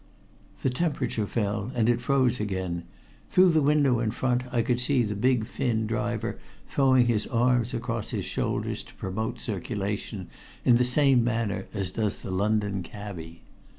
The temperature fell, and it froze again. Through the window in front I could see the big Finn driver throwing his arms across his shoulders to promote circulation, in the same manner as does the London "cabby."